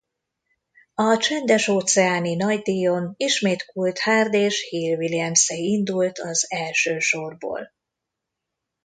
A csendes-óceáni nagydíjon ismét Coulthard és Hill Williamse indult az első sorból.